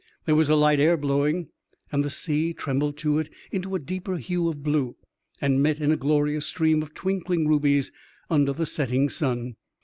There was a light air blowing, and the sea trembled to it into a deeper hue of blue, and met in a glorious stream of twinkling rubies under the setting sun.